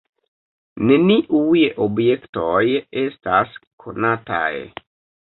Neniuj objektoj estas konataj.